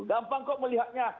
gampang kok melihatnya